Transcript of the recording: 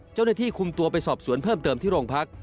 เจ้าหน้าที่คุมตัวไปสอบสวนเพิ่มเติมที่โรงพัก